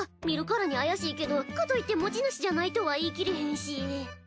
見るからに怪しいけどかといって持ち主じゃないとは言い切れへんし。